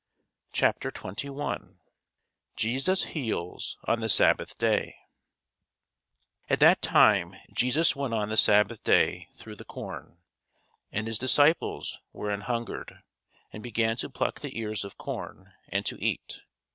CHAPTER 21 JESUS HEALS ON THE SABBATH DAY AT that time Jesus went on the sabbath day through the corn; and his disciples were an hungred, and began to pluck the ears of corn, and to eat.